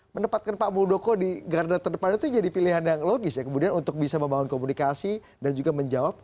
menempatkan pak muldoko di garda terdepan itu jadi pilihan yang logis ya kemudian untuk bisa membangun komunikasi dan juga menjawab